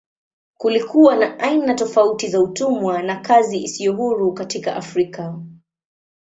Kulikuwa na aina tofauti za utumwa na kazi isiyo huru katika Afrika.